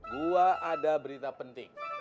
gua ada berita penting